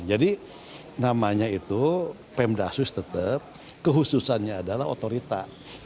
jadi namanya itu pem dasus tetep kehususannya adalah otorita